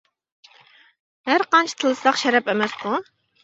ھەر قانچە تىللىساق شەرەپ ئەمەسقۇ؟ !